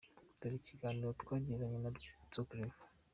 Dore ikiganiro twagiranye na Rwibutso Claver:.